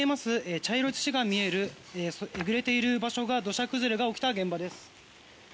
茶色い土が見えるえぐれている場所が土砂崩れが起きた現場です。